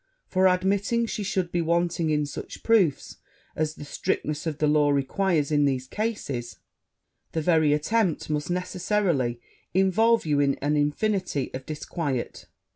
for, admitting she should be wanting in such proofs as the strictness of the law requires in these cases, the very attempt must necessarily involve you in an infinity of disquiet.